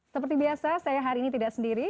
seperti biasa saya hari ini tidak sendiri